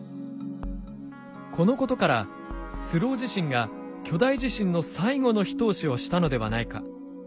このことからスロー地震が巨大地震の最後の一押しをしたのではないか。